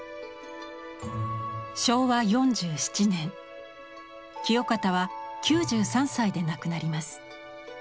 昭和４７年清方は９３歳で亡くなります。